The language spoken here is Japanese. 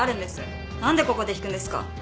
何でここで引くんですか？